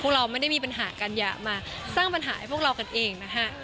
เราไม่ได้มีปัญหากันอย่ามาสร้างปัญหาให้พวกเรากันเองนะฮะ